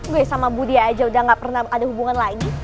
gue sama budia aja udah gak pernah ada hubungan lagi